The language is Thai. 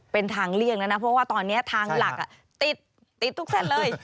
เป็นทางเลี่ยงแล้วนะเพราะว่าตอนนี้ทางหลักติดทุกเส้นเลย